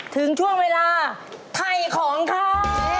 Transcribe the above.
ถึงช่วงเวลาไถ่ของค้า